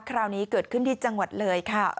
คราวนี้เกิดขึ้นที่จังหวัดเลยค่ะ